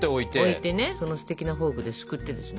置いてねそのステキなフォークですくってですね。